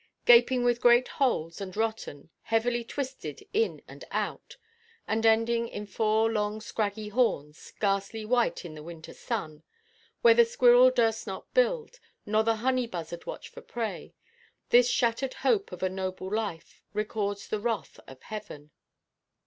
Gaping with great holes and rotten, heavily twisted in and out, and ending in four long scraggy horns, ghastly white in the winter sun; where the squirrel durst not build, nor the honey–buzzard watch for prey; this shattered hope of a noble life records the wrath of Heaven.